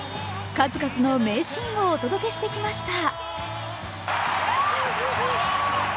数々の名シーンをお届けしてきました。